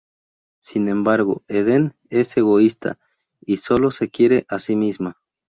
Sin embargo, Eden es egoísta y solo se quiere a sí misma.